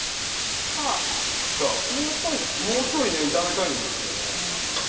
もうちょい炒めたいんですよね。